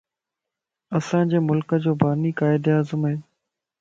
اسان جي ملڪ جو باني قائد اعظم ائي